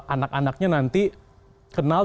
anak anaknya nanti kenal